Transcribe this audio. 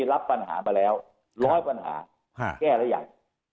รับปัญหามาแล้วง่ายปัญหายังแก้อะไรอย่าง